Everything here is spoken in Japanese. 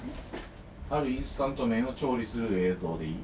「あるインスタント麺を調理する映像」でいい？